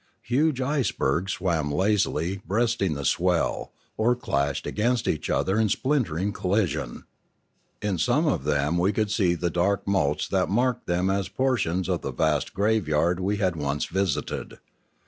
Huge icebergs swam lazily breasting the swell, or clashed against each other in splintering collision; in some of them we could see the dark motes that marked them as portions of the vast graveyard we had once visited.